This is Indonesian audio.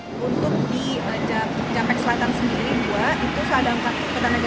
untuk di jempek selatan sendiri dua itu sadang kuta negara delapan enam km itu kan saat natal kemarin juga sudah bisa dilalui